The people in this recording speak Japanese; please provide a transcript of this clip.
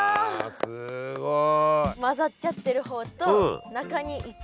すごい。